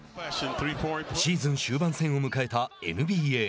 シーズン終盤戦を迎えたＮＢＡ。